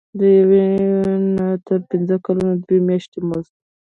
د یو نه تر پنځه کلونو دوه میاشتې مزد.